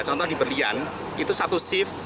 contoh di berlian itu satu shift